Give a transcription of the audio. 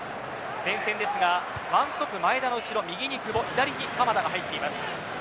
前線ですが１トップ前田の後ろ、右に久保左に鎌田が入っています。